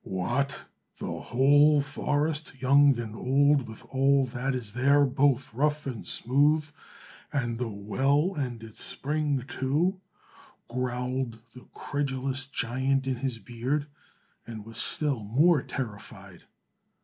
"What! the whole forest, young and old, with all that is there, both rough and smooth, and the well and its spring too," growled the credulous giant in his beard, and was still more terrified.